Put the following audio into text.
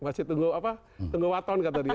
masih tunggu waton kata dia